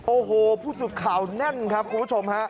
โอ้โหผู้สื่อข่าวแน่นครับคุณผู้ชมฮะ